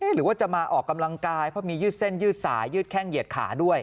หรือว่าจะมาออกกำลังกายเพราะมียืดเส้นยืดสายยืดแข้งเหยียดขาด้วย